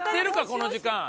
この時間。